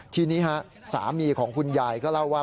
ทีนี้สามีของคุณยายก็เล่าว่า